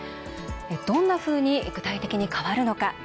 どんなふうに具体的に変わるのか。